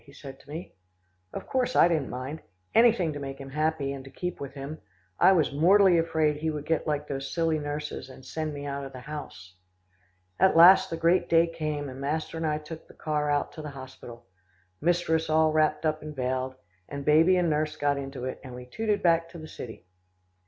he said to me. Of course I didn't mind. Anything to make him happy, and to keep with him. I was mortally afraid he would get like those silly nurses, and send me out of the house. At last, the great day came, and master and I took the car out to the hospital. Mistress all wrapped up and veiled, and baby and nurse got into it, and we tooted back to the city.